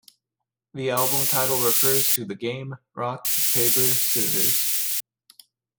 The album title refers to the game rock-paper-scissors.